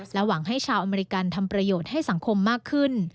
หวังให้ชาวอเมริกันทำประโยชน์ให้สังคมมากขึ้น